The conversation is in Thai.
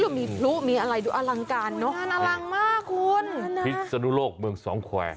อลังมากคุณภิกษณุโลกเมืองสองแควร์